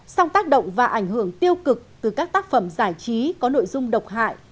song tác động và ảnh hưởng tiêu cực từ các tác phẩm giải trí có nội dung độc hại